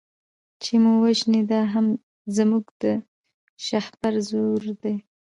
چي مو وژني دا هم زموږ د شهپر زور دی